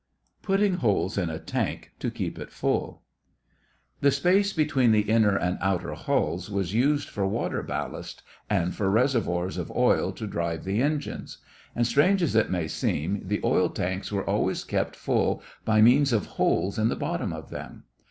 PUTTING HOLES IN A TANK TO KEEP IT FULL The space between the inner and outer hulls was used for water ballast and for reservoirs of oil to drive the engines; and, strange as it may seem, the oil tanks were always kept full by means of holes in the bottom of them.